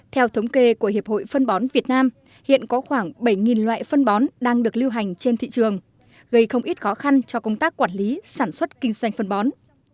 theo thống kê của hiệp hội phân bón việt nam hiện có khoảng bảy loại phân bón đang được lưu hành trên thị trường gây không ít khó khăn cho công tác quản lý sản xuất kinh doanh phân bón